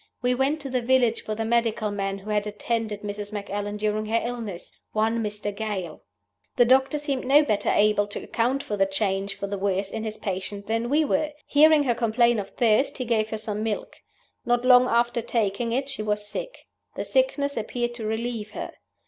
We went to the village for the medical man who had attended Mrs. Macallan during her illness: one Mr. Gale. "The doctor seemed no better able to account for the change for the worse in his patient than we were. Hearing her complain of thirst, he gave her some milk. Not long after taking it she was sick. The sickness appeared to relieve her.